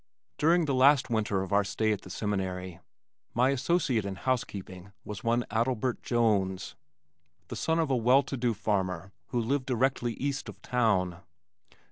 During the last winter of our stay at the Seminary, my associate in housekeeping was one Adelbert Jones, the son of a well to do farmer who lived directly east of town.